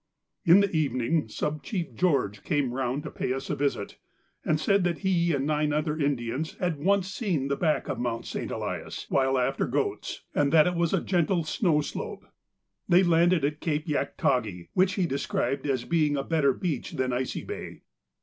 In the evening Sub chief George came round to pay us a visit, and said that he and nine other Indians had once seen the back of Mount St. Elias, when after goats, and that it was a gentle snow slope. They landed at Cape Yaktagi, which he described as being a better beach than Icy Bay.